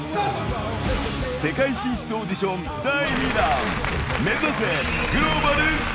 世界進出オーディション第２弾。